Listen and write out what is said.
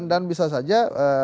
dan bisa saja